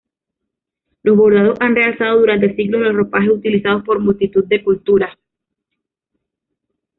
Los bordados han realzado durante siglos los ropajes utilizados por multitud de culturas.